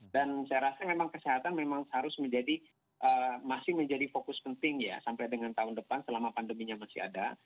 dan saya rasa memang kesehatan memang harus menjadi masih menjadi fokus penting ya sampai dengan tahun depan selama pandeminya masih ada